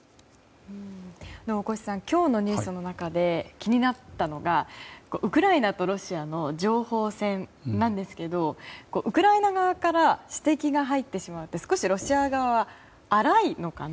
大越さん、今日のニュースの中で気になったのがウクライナとロシアの情報戦なんですけどウクライナ側から指摘が入ってしまうのは少しロシア側は荒いのかな